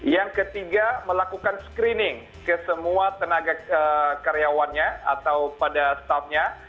yang ketiga melakukan screening ke semua tenaga karyawannya atau pada staffnya